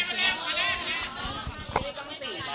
พอไปนะ